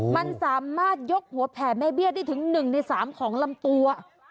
มันสามารถยกหัวแผ่แม่เบี้ยได้ถึง๑ใน๓ของลำตัว